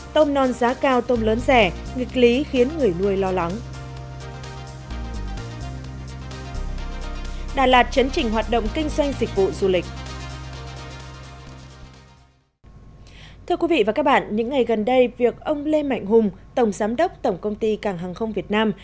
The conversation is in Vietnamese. thưa quý vị và các bạn những ngày gần đây việc ông lê mạnh hùng tổng giám đốc tổng công ty cảng hàng không việt nam